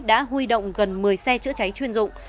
đã huy động gần một mươi xe chữa cháy chuyên dụng